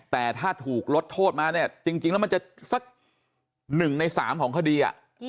แต่ถ้าถูกลดโทษมาเนี่ยจริงแล้วมันจะสัก๑ใน๓ของคดี